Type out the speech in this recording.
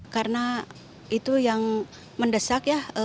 karena itu yang mendesak ya